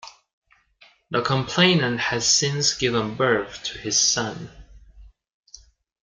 The complainant has since given birth to his son.